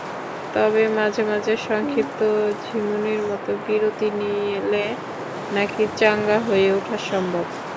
তবে মাঝখানে সংক্ষিপ্ত ঝিমুনির মতো বিরতি নিলে নাকি চাঙা হয়ে ওঠা সম্ভব।